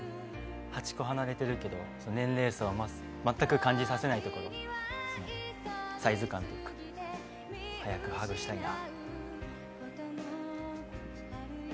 ８個離れてるけど年齢差を全く感じさせないところサイズ感とか早くハグしたいな。